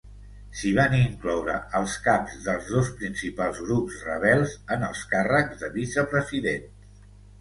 S'hi van incloure als caps dels dos principals grups rebels en els càrrecs de vicepresidents.